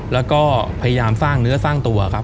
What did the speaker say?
แล้วก็พยายามสร้างเนื้อสร้างตัวครับ